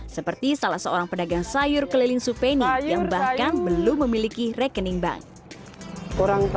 seperti salah seorang pedagang sayur keliling supeni yang bahkan belum memiliki rekening bank